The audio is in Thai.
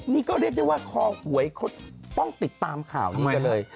นี่ก็เรียกได้ว่าคอหวยเขาต้องติดตามข่าวนี้กันเลย